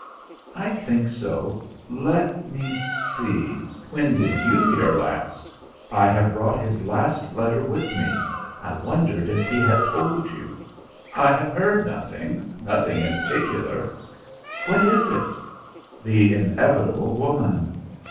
"I think so. Let me see! When did you hear last?" "I have brought his last letter with me. I wondered if he had told you." "I have heard nothing nothing in particular. What is it?" "The inevitable woman."